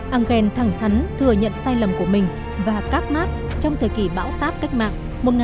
engel thẳng thắn thừa nhận sai lầm của mình và các mark trong thời kỳ bão táp cách mạng một nghìn tám trăm bốn mươi tám một nghìn tám trăm năm mươi hai